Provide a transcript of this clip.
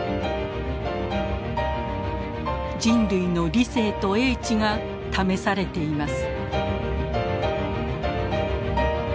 人類の理性と英知が試されています。